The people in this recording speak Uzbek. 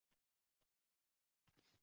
Muxbir: G'iyosiddin Yusuf